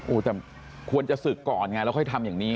โอ้โหแต่ควรจะศึกก่อนไงแล้วค่อยทำอย่างนี้